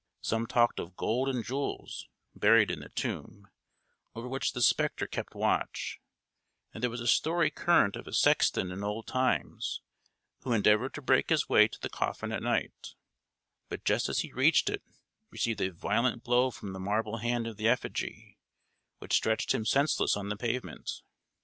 Some talked of gold and jewels buried in the tomb, over which the spectre kept watch; and there was a story current of a sexton in old times who endeavoured to break his way to the coffin at night; but just as he reached it, received a violent blow from the marble hand of the effigy, which stretched him senseless on the pavement.